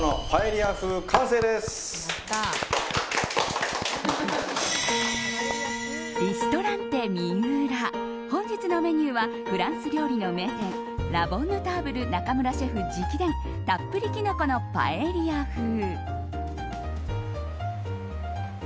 リストランテＭＩＵＲＡ本日のメニューはフランス料理の名店ラ・ボンヌターブル中村シェフ直伝たっぷりキノコのパエリア風。